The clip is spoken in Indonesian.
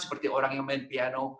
seperti orang yang main piano